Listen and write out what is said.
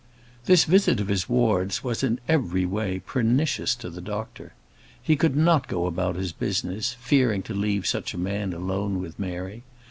This visit of his ward's was, in every way, pernicious to the doctor. He could not go about his business, fearing to leave such a man alone with Mary.